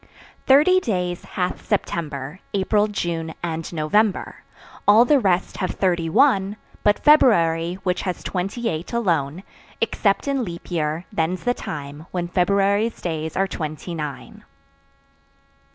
Thirty days hath September, April, June and November; All the rest have thirty one, But February, which has twenty eight alone. Except in leap year; then's the time When February's days are twenty nine.